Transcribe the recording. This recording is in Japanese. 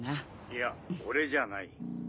いや俺じゃない。